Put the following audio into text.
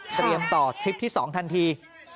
เตรียมต่อทริปที่๒ทันที